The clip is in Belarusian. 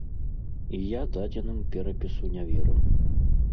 І я дадзеным перапісу не веру.